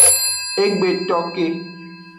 E gbe to ke.